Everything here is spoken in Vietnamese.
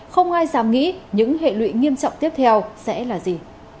không ai dám nghĩ những hệ lụy nghiêm trọng tiếp theo sẽ là gì